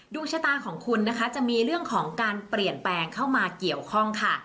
ดวงชะตาของคุณนะคะจะมีเรื่องของการเปลี่ยนแปลงเข้ามาเกี่ยวข้องค่ะ